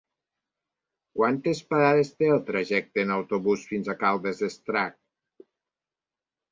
Quantes parades té el trajecte en autobús fins a Caldes d'Estrac?